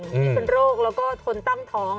ที่เป็นโรคแล้วก็ทนตั้งท้อง